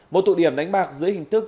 một tụ điểm đánh bạc dưới hình thức